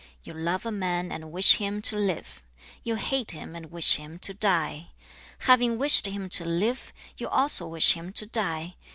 2. 'You love a man and wish him to live; you hate him and wish him to die. Having wished him to live, you also wish him to die.